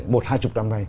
một hai chục năm nay